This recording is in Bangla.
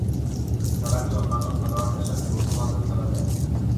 খেলাটি অন্যান্য খেলোয়াড়দের সাথে যৌথভাবেও খেলা যায়।